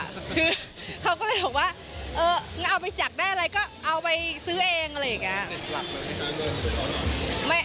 คือเขาก็เลยบอกว่าเอาไปจักได้อะไรก็เอาไปซื้อเองอะไรอย่างนี้